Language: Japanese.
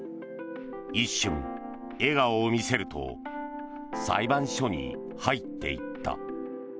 一瞬、笑顔を見せると裁判所に入っていった。